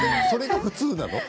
それが普通なの？